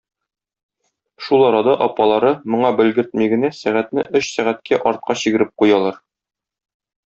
Шул арада апалары моңа белгертми генә сәгатьне өч сәгатькә артка чигереп куялар.